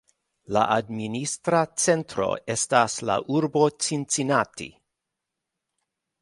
La administra centro estas la urbo Cincinnati.